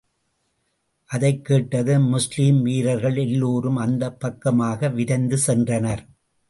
அதைக் கேட்டதும், முஸ்லிம் வீரர்கள் எல்லோரும் அந்தப் பக்கமாக விரைந்து சென்றனர்.